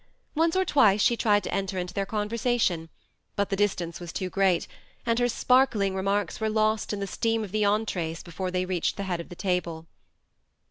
Once or twice she tried to enter into their conversation ; but the distance was too great, and her sparkling remarks were lost in the steam of the entres before they reached the head of the table.